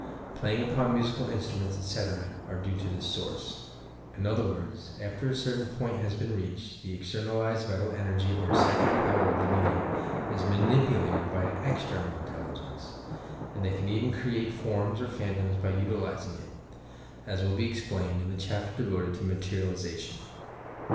Playing upon musical instruments, etc., are due to this source. In other words, after a certain point has been reached, the externalized vital energy or psychic power of the medium is manipulated by an external intelligence, and they can even create forms or phantoms by utilizing it, as will be explained in the chapter devoted to Materialization.